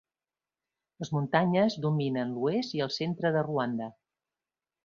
Les muntanyes dominen l"oest i el centre de Ruanda.